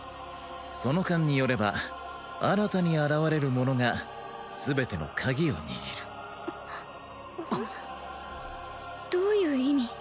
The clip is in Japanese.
その勘によれば新たに現れる者が全ての鍵を握るどういう意味？